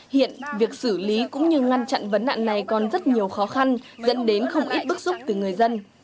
hiện việc xử lý cũng như ngăn chặn vấn nạn này còn rất nhiều khó khăn dẫn đến không ít bức xúc từ người dân